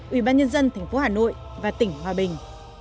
ubnd tp hà nội và tỉnh hòa bình